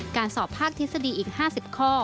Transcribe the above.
การสอบภาคทฤษฎีอีก๕๐ข้อ